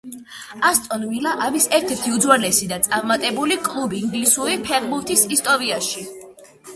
ასტონ ვილა არის ერთ-ერთი უძველესი და წარმატებული კლუბი ინგლისური ფეხბურთის ისტორიაში.